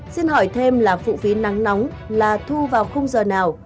xin hỏi thêm là phụ phí nắng nóng là thu vào khung giờ nào